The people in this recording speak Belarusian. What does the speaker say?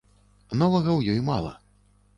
Новага ў ёй мала.